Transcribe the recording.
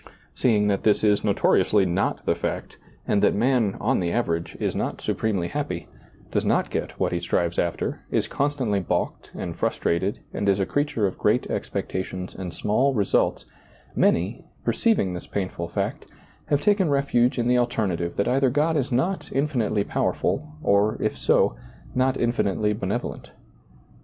Seeing that this is notoriously not the fact, and that man, on the average, is not supremely happy, does not get what he strives after, is constantly balked and frustrated and is a creature of great expectations and small results, — many, perceiving this painful fact, have taken refuge in the alternative that either God is not infinitely powerful, or, if so, not infinitely benevo lent.